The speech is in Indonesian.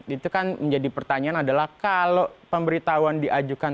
itu kan menjadi pertanyaan adalah kalau pemberitahuan diajukan